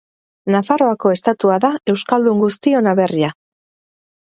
Nafarroako estatua da euskaldun guztion aberria.